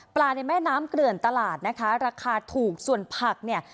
ในแม่น้ำเกลื่อนตลาดนะคะราคาถูกส่วนผักเนี่ย